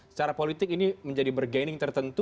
secara politik ini menjadi bergaining tertentu